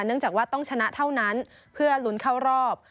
จากว่าต้องชนะเท่านั้นเพื่อลุ้นเข้ารอบ